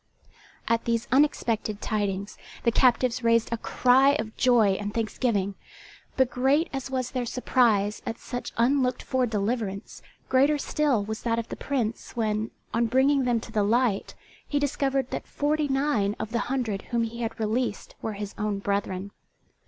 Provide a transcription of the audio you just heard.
At these unexpected tidings the captives raised a cry of joy and thanksgiving; but great as was their surprise at such unlooked for deliverance, greater still was that of the Prince when, on bringing them to the light, he discovered that forty nine of the hundred whom he had released were his own brethren.